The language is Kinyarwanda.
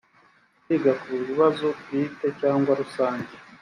kwiga ku bibazo bwite cyangwa rusange